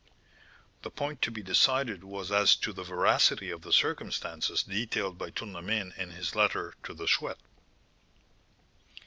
"The point to be decided was as to the veracity of the circumstances detailed by Tournemine in his letter to the Chouette.